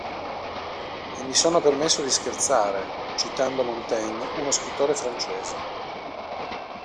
E mi sono permesso di scherzare, citando Montaigne, uno scrittore francese.